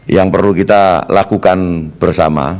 yang perlu kita lakukan bersama